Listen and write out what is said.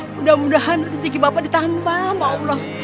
mudah mudahan rezeki bapak ditambah maulah